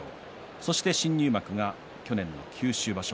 そして新入幕が去年の九州場所。